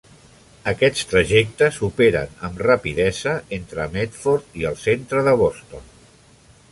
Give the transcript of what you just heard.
Aquests trajectes operen amb rapidesa entre Medford i el centre de Boston.